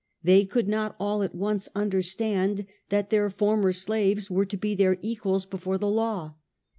They could not all at once understand tbat their former slaves were to be their equals before tbe law.